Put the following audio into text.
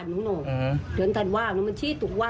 ยังยังยังโมโหอยู่